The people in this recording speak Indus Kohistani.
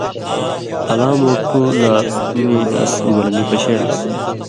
الاں مُوٹُھو لہ مِیں اَس گولہ نی پشے لس۔